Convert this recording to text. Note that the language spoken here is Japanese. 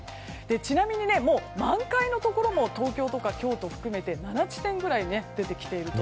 ちなみに満開のところも東京とか京都含めて７地点くらい、出てきていると。